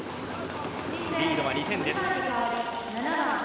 リードは２点です。